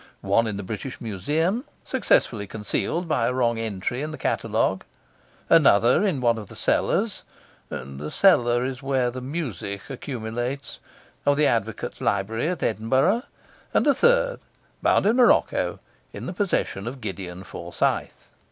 one in the British Museum, successfully concealed by a wrong entry in the catalogue; another in one of the cellars (the cellar where the music accumulates) of the Advocates' Library at Edinburgh; and a third, bound in morocco, in the possession of Gideon Forsyth.